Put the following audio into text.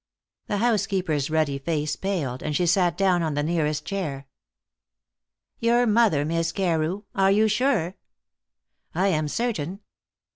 The housekeeper's ruddy face paled, and she sat down on the nearest chair. "Your mother, Miss Carew! Are you sure?" "I am certain.